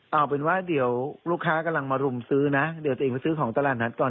เอาเป็นว่าเดี๋ยวลูกค้ากำลังมารุมซื้อนะเดี๋ยวตัวเองไปซื้อของตลาดนัดก่อน